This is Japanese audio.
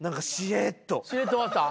しれっと終わった？